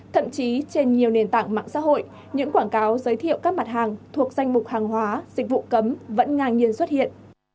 thậm chí trên nhiều nền tảng mạng xã hội những quảng cáo giới thiệu các mặt hàng thuộc danh mục hàng hóa dịch vụ cấm vẫn ngang nhiên xuất hiện